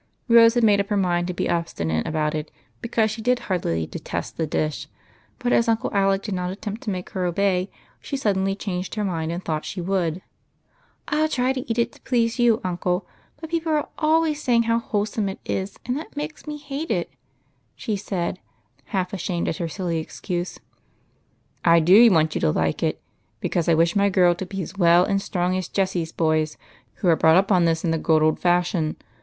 Rose had made up her mind to be obstinate about it, because she did heartily "detest" the dish ; but as Uncle Alec did not attempt to make her obey, she suddenly changed her mind and thought she would. " I '11 try to eat it to jjlease you, uncle ; but people are always saying how wholesome it is, and that makes me hate it," she said, half ashamed at her silly excuse. UNCLES. 33 " I do want you to like it, because I wish my girl to be as well and strong as Jessie's boys, who are brought up on this in the good old fashion.